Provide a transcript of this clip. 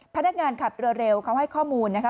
พนักงานขับเรือเร็วเขาให้ข้อมูลนะคะ